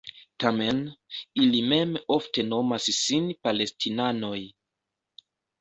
Tamen, ili mem ofte nomas sin Palestinanoj.